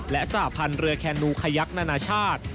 และสหพันธ์เรือแคนูขยักนานาชาติ